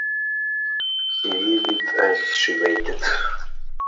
He read it as she waited.